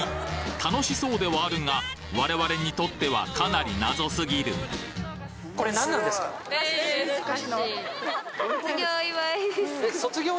楽しそうではあるが我々にとってはかなり謎すぎる卒業祝い？